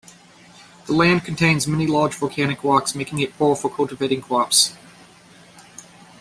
The land contains many large volcanic rocks making it poor for cultivating crops.